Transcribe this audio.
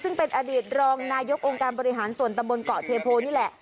ซึ่งเป็นอดีตรองนายกองค์การบริหารส่วนตำบลเกาะเทโพนี่แหละ